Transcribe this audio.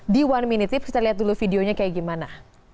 di one minute tips kita lihat dulu videonya kayak gimana